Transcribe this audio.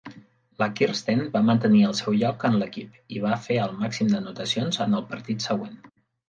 La Kirsten va mantenir el seu lloc en l'equip i va fer el màxim d'anotacions en el partit següent.